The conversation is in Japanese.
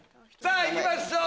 いきましょう！